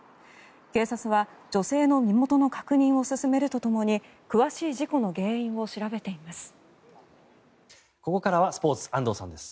警察は、女性の身元の確認を進めるとともに詳しい事故の原因を調べています。